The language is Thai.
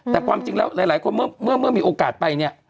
แต่ความจริงแล้วหลายคนเมื่อมีโอกาสไปเนี่ย